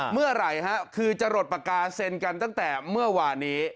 เมื่อไหร่ฮะคือจะหลดปากกาเซ็นกันตั้งแต่เมื่อวานนี้